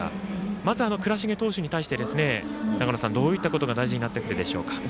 まず、倉重投手に対して長野さん、どういったことが大事になってくるでしょうか。